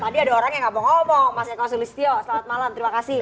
tadi ada orang yang ngomong ngomong mas eko sulistyo selamat malam terima kasih